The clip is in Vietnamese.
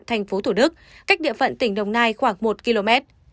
thành phố thủ đức cách địa phận tỉnh đồng nai khoảng một km